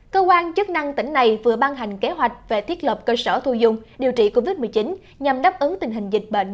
cơ quan chức năng tỉnh này vừa ban hành kế hoạch về thiết lập cơ sở thu dung điều trị covid một mươi chín nhằm đáp ứng tình hình dịch bệnh